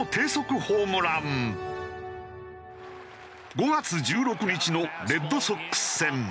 ５月１６日のレッドソックス戦。